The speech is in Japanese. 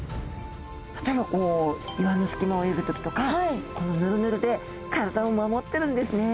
例えば岩の隙間を泳ぐ時とかこのヌルヌルで体を守ってるんですね。